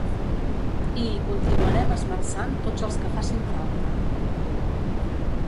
I hi continuarem esmerçant tots els que facin falta.